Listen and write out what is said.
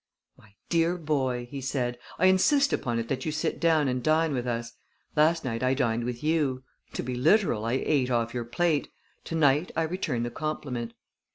"My dear boy," he said, "I insist upon it that you sit down and dine with us. Last night I dined with you. To be literal, I ate off your plate. Tonight I return the compliment."